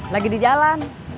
lagi di jalan